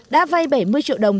đã vay bảy mươi triệu đồng